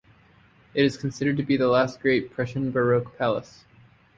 It is considered to be the last great Prussian Baroque palace.